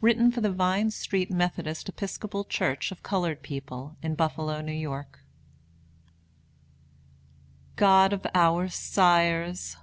Written for the Vine Street Methodist Episcopal Church of colored people, in Buffalo, N. Y. God of our sires!